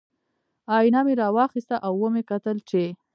ائینه مې را واخیسته او ومې کتل چې